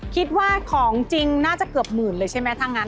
คิดว่าของจริงน่าจะเกือบหมื่นเลยใช่ไหมถ้างั้น